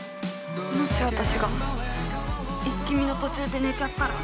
もし私が「イッキ見！」の途中で寝ちゃったら？